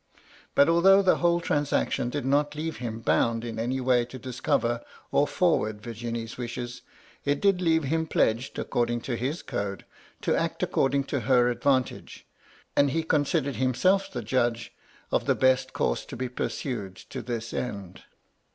But, although the whole transaction did not leave him bound, in any way, to discover or forward Virginie's H 3 154 MY LADY LUDLOW. wishes, it did leave him pledged, according to his code, to act according to her advantage, and he considered himself the judge of the best course to be pursued to this end.